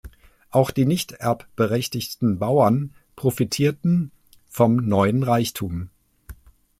Auch die nicht erbberechtigten Bauern profitierten vom neuen Reichtum.